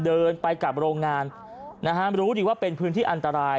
เดินไปกับโรงงานนะฮะรู้ดีว่าเป็นพื้นที่อันตราย